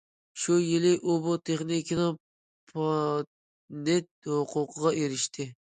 شۇ يىلى ئۇ بۇ تېخنىكىنىڭ پاتېنت ھوقۇقىغا ئېرىشتى.